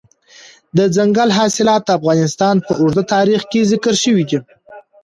دځنګل حاصلات د افغانستان په اوږده تاریخ کې ذکر شوي دي.